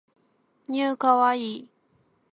new kawaii